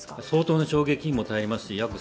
相当な衝撃にも耐えます